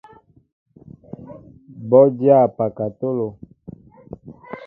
Bɔ dyá pakatolo.